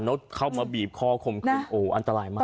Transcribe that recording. แล้วเขามาบีบคอขมขึ้นโอ้โหอันตรายมาก